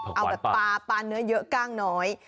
เอาแบบปลาปลาเนื้อเยอะกล้างน้อย